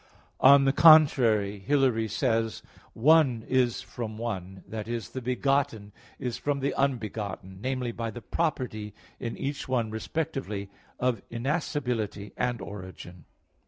On the contrary, Hilary says (De Trin. iv): "One is from one that is, the Begotten is from the Unbegotten namely, by the property in each one respectively of innascibility and origin."